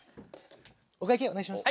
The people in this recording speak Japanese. お会計お願いします。